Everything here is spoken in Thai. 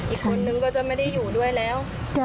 อีกคนนึงก็จะไม่ได้อยู่ด้วยแล้ว